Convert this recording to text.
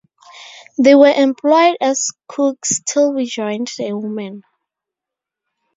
They were employed as cooks till we joined the women.